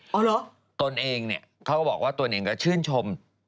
อ๋อเหรอตนเองเขาก็บอกว่าตนเองก็ชื่นชม